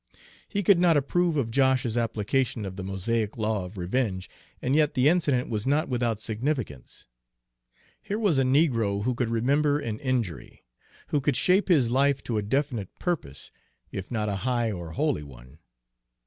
He could not approve of Josh's application of the Mosaic law of revenge, and yet the incident was not without significance. Here was a negro who could remember an injury, who could shape his life to a definite purpose, if not a high or holy one.